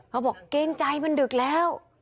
บอกเกรงใจมันดึกแล้ว